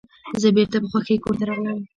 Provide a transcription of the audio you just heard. زه بیرته په خوښۍ کور ته راغلم.